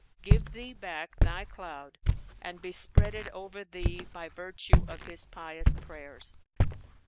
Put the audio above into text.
give thee back thy cloud and bespread it over thee by virtue of his pious prayers."